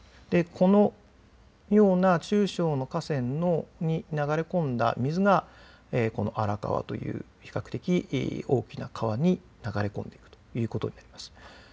このような中小の河川に流れ込んだ水がこの荒川という比較的大きな川に流れ込んでいるということであります。